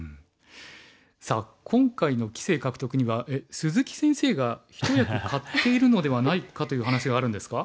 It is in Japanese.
さあ今回の棋聖獲得には鈴木先生が一役買っているのではないかという話があるんですか？